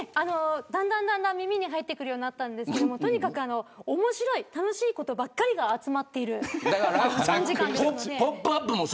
だんだん耳に入るようになってきたんですけど面白い、楽しいことばっかりが集まっている３時間ですので。